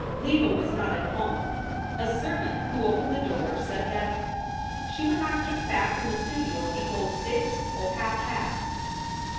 Leva was not at home. A servant who opened the door said that "she would not git back from the stoodio befo six or happast."